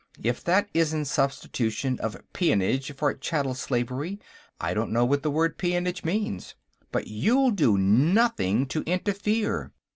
If that isn't substitution of peonage for chattel slavery, I don't know what the word peonage means. But you'll do nothing to interfere.